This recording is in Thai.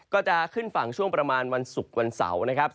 ก็จะขึ้นฝั่งช่วงประมาณวันศุกร์วันเสาร์นะครับ